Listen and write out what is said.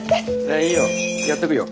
いいよやっとくよ。